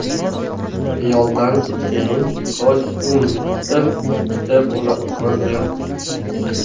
Xiyoldan keyin soy o‘ng betida ikkita bola qora berdi.